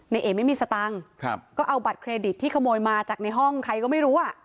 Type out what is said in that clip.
เอ๋ไม่มีสตังค์ก็เอาบัตรเครดิตที่ขโมยมาจากในห้องใครก็ไม่รู้อ่ะ